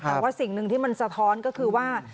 แต่ว่าสิ่งหนึ่งที่มันสะท้อนก็คือว่า